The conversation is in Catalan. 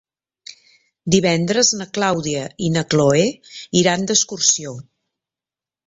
Divendres na Clàudia i na Cloè iran d'excursió.